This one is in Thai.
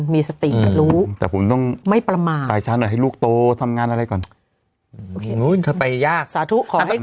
ให้มีสติจะรู้